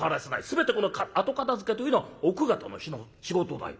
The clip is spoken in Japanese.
全てこの後片づけというのは奥方の仕事だよ。